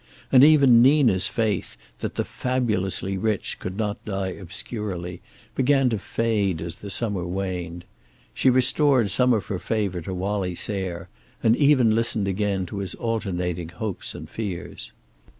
And even Nina's faith, that the fabulously rich could not die obscurely, began to fade as the summer waned. She restored some of her favor to Wallie Sayre, and even listened again to his alternating hopes and fears.